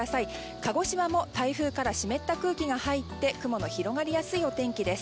鹿児島も台風から湿った空気が入って雲の広がりやすいお天気です。